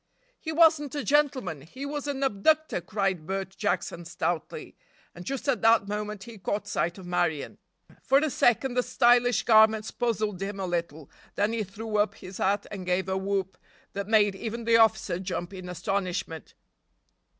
"He wasn't a gentleman, he was an abductor!" cried Bert Jackson stoutly, and just at that moment he caught sight of Marion. For a second the stylish garments puzzled him a little, then he threw up his hat and gave a whoop that made even the officer jump in astonishment.